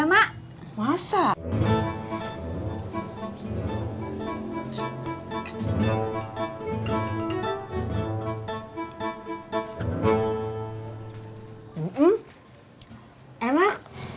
kayaknya sama terlalu gue orang